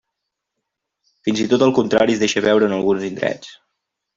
Fins i tot el contrari es deixa veure en alguns indrets.